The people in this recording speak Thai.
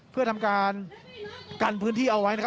เพื่อทำการกันพื้นที่เอาไว้นะครับ